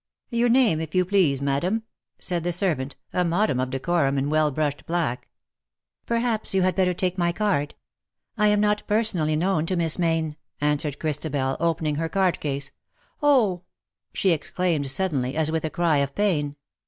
" Your name, if you please, madam ?^^ said the servant, a model of decorum in well brushed black. " Perhaps, you had better take my card. I am not personally known to Miss Mayne/^ answered LOVE IS LOVE FOR EVERMORE. 279 Christabel^ opening her card case. " Oh V^ she exclaimed suddenly, as with a cry of pain.